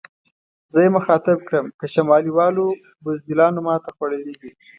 زه یې مخاطب کړم: که شمالي والو بزدلانو ماته خوړلې وي.